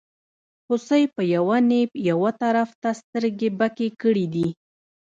هوسۍ په یوه نېب یوه طرف ته سترګې بکې کړې دي.